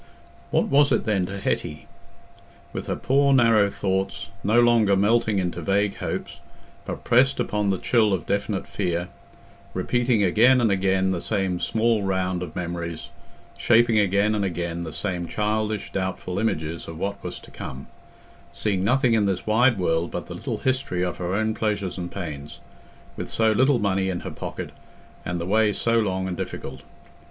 What was it then to Hetty? With her poor narrow thoughts, no longer melting into vague hopes, but pressed upon by the chill of definite fear, repeating again and again the same small round of memories—shaping again and again the same childish, doubtful images of what was to come—seeing nothing in this wide world but the little history of her own pleasures and pains; with so little money in her pocket, and the way so long and difficult.